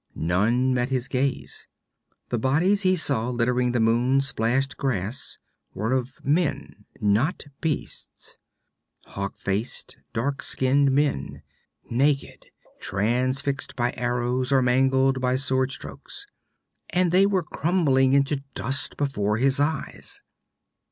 None met his gaze. The bodies he saw littering the moon splashed grass were of men, not beasts: hawk faced, dark skinned men, naked, transfixed by arrows or mangled by sword strokes. And they were crumbling into dust before his eyes.